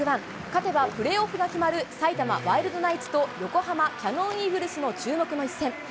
勝てばプレーオフが決まる埼玉ワイルドナイツと横浜キヤノンイーグルスの一戦。